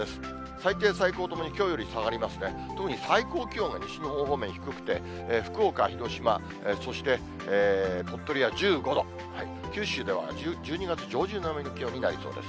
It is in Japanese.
最低、最高ともにきょうより下がりますね、特に最高気温が西日本方面低くて、福岡、広島、そして鳥取は１５度、九州では１２月上旬並みの気温になりそうです。